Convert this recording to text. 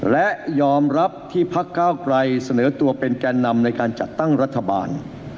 และยอมรับที่พักเก้าไกรเสนอตัวเป็นแก่นำในการจัดตั้งรัฐบาล